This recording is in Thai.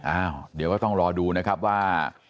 อ้าวเดี๋ยวก็ต้องรอดูนะครับว่า